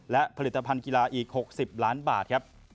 และผลิตภัณฑ์กีฬาอีก๖๐ล้านบาทครับ